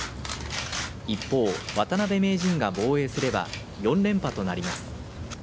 一方、渡辺名人が防衛すれば４連覇となります。